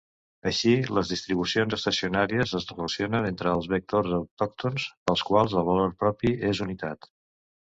Així, les distribucions estacionàries es relacionen amb els vectors autòctons pels quals el valor propi és unitat.